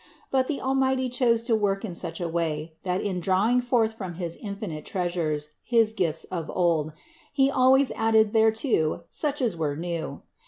But the Al mighty chose to work in such a way, that in drawing forth from his infinite treasures his gifts of old, He al ways added thereto such as were new.